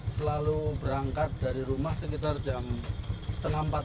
selalu berangkat dari rumah sekitar jam setengah